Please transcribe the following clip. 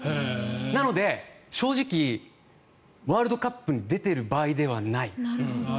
なので、正直ワールドカップに出てる場合ではない。